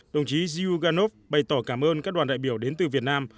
đồng chí zhuganov bày tỏ cảm ơn các đoàn đại biểu đến từ việt nam